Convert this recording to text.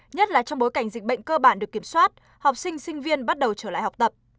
nhất là trong bối cảnh dịch bệnh cơ bản được kiểm soát học sinh sinh viên bắt đầu trở lại học tập